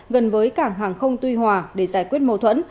gần với cảng hàng không tuy hòa để giải quyết mâu thuẫn